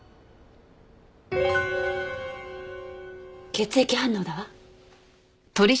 血液反応だわ。